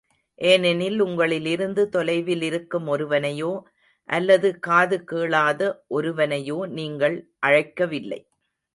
ஏனெனில், உங்களிலிருந்து தொலைவில் இருக்கும் ஒருவனையோ, அல்லது காது கேளாத ஒருவனையோ நீங்கள் அழைக்கவில்லை.